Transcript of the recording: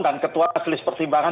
dan ketua adelis pertimbangan